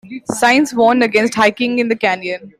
Signs warn against hiking in the canyon.